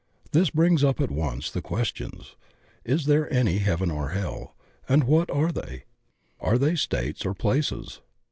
This brings up at once the questions: Is there any heaven or hell, and what are they? Are they states or places?